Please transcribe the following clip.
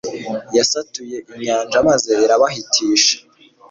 Yasatuye inyanja maze irabahitisha